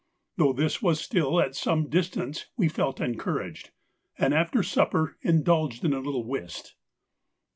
Though this was still at some distance, we felt encouraged, and after supper indulged in a little whist.